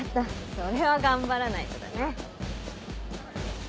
それは頑張らないとだね。